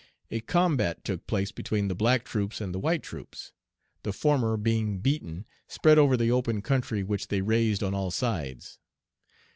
A combat took place between the black troops and the white troops. The former, being beaten, spread over the open country, which they raised on all sides.